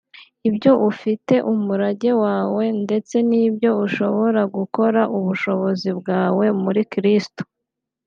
ibyo ufite (umurage wawe) ndetse n'ibyo ushobora gukora (ubushobozi bwawe) muri kristo